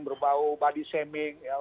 berbau body shaming